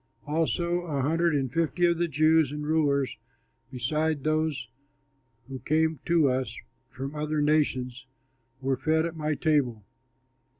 Also a hundred and fifty of the Jews and rulers, beside those who came to us from other nations, were fed at my table.